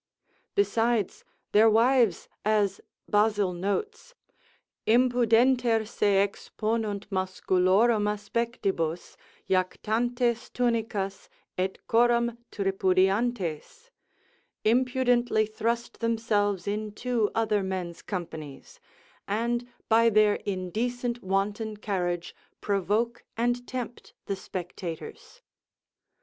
Besides, their wives (as Basil notes) Impudenter se exponunt masculorum aspectibus, jactantes tunicas, et coram tripudiantes, impudently thrust themselves into other men's companies, and by their indecent wanton carriage provoke and tempt the spectators.